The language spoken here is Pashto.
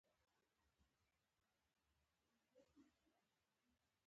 يوازنی شرط د ترلاسي ظرف موجود وي.